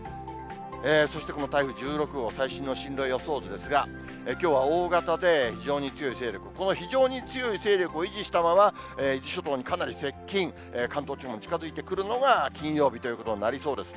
そしてこの台風１６号、最新の進路予想図ですが、きょうは大型で非常に強い勢力、この非常に強い勢力を維持したまま伊豆諸島にかなり接近、関東地方にも近づいてくるのが、金曜日ということになりそうですね。